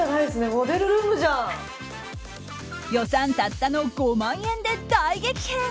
予算たったの５万円で大激変。